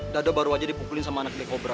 dadah baru aja dipukulin sama anak the cobra